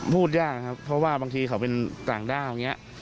พูดยากครับเพราะว่าบางทีเขาเป็นต่างด้าวอย่างนี้